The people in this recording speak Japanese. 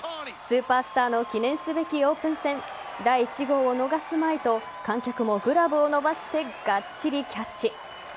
スーパースターの記念すべきオープン戦第１号を逃すまいと観客もグラブを伸ばしてがっちりキャッチ。